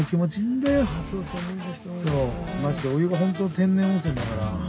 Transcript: マジでお湯が本当の天然温泉だから。